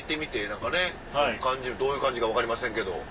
何かねどういう感じか分かりませんけど。